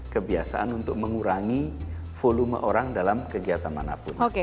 kebiasaan untuk mengurangi volume orang dalam kegiatan manapun